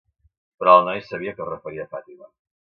Però el noi sabia que es referia a Fatima.